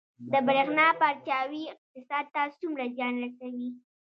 د بریښنا پرچاوي اقتصاد ته څومره زیان رسوي؟